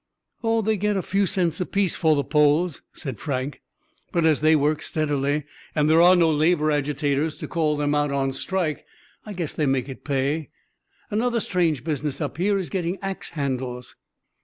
"Oh, they get a few cents apiece for the poles," said Frank, "but as they work steadily, and there are no labor agitators to call them out on strike, I guess they make it pay. Another strange business up here is getting ax handles."